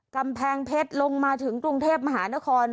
กำแพงเพชรลงมาถึงกรุงเทพมหานคร